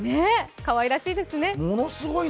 かわいらしいですね。